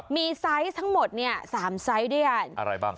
มีไซส์ทั้งหมด๓ไซส์ได้อย่างไรบ้าง